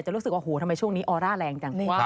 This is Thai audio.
จะรู้สึกว่าโอ้โฮทำไมช่วงนี้ออร่าแรงจัง